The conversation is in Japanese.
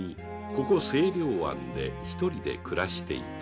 ここ清涼庵で一人で暮らしていた